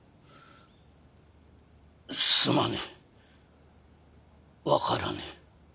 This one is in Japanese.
すまねえ分からねえ。